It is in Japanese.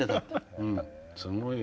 すごいよ。